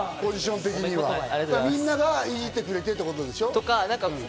みんながイジってくれてって事でしょ。